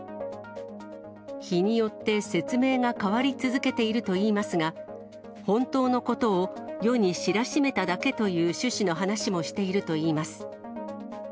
日によって説明が変わり続けているといいますが、本当のことを世に知らしめただけという趣旨の話もしているといいます。